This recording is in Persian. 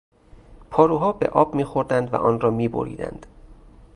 پاروها بر آب میخوردند و آن را میبریدند.